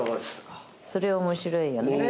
それは面白いよね。